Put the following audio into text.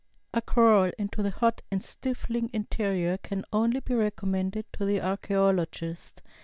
A crawl into the hot and stifling interior can only be recommended to the archaeologist.